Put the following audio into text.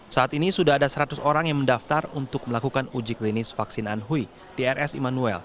saat ini sudah ada seratus orang yang mendaftar untuk melakukan uji klinis vaksin anhui di rs immanuel